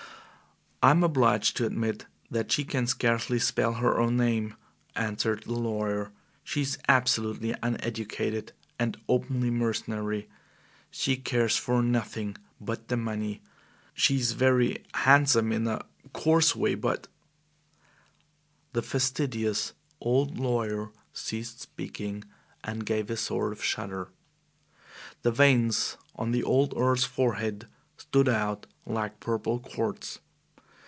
"I am obliged to admit that she can scarcely spell her own name," answered the lawyer. "She is absolutely uneducated and openly mercenary. She cares for nothing but the money. She is very handsome in a coarse way, but " The fastidious old lawyer ceased speaking and gave a sort of shudder. The veins on the old Earl's forehead stood out like purple cords.